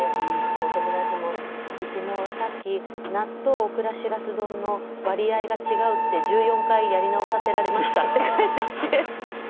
お友達も「うちもさっき納豆オクラしらす丼の割合が違うって１４回やり直させられました」って返ってきて。